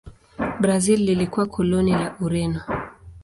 Brazil ilikuwa koloni la Ureno.